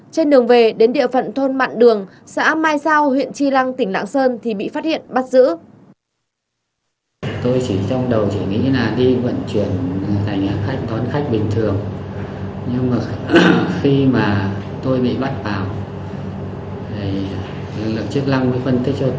trên đường về đến địa phận thôn mặn đường xã mai giao huyện tri lăng tỉnh lạng sơn thì bị phát hiện bắt giữ